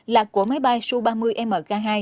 là của máy bay su ba mươi mk hai